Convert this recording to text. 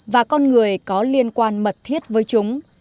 và con người có liên quan mật thiết với chúng